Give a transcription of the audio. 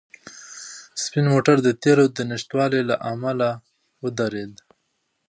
سپین موټر د تېلو د نشتوالي له امله ودرېد.